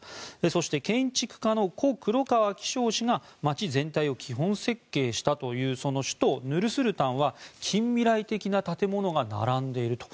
そして建築家の故・黒川紀章氏が街全体を基本設計したという首都ヌルスルタンは近未来的な建物が並んでいると。